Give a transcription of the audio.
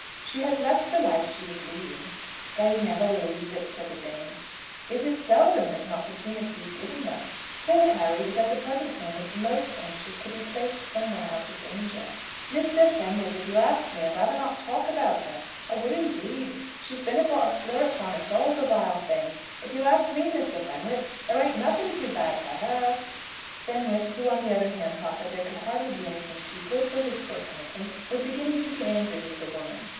She has left the life she was leading " "They never leaves it," said the dame. "It is so seldom that an opportunity is given them. Poor Carry is at the present moment most anxious to be placed somewhere out of danger." "Mr. Fenwick, if you ask me, I'd rather not talk about her; I would indeed. She's been and brought a slur upon us all, the vile thing! If you ask me, Mr. Fenwick, there ain't nothing too bad for her." Fenwick, who, on the other hand, thought that there could be hardly anything too good for his poor penitent, was beginning to be angry with the woman.